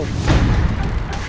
pertama kali di rumah